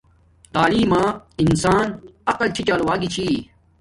تعیلم ما انسانس عقل چھی چال واگی چھی